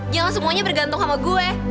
jangan semuanya bergantung sama gue